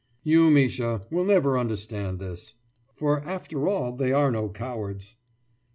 « »You, Misha, will never understand this.« »For, after all, they are no cowards!